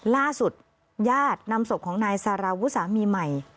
ล่าสุดญาตินำศพของนายสารวุสามีใหม่